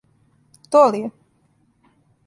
То ли је?